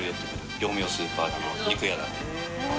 業務用スーパーだの肉屋だの。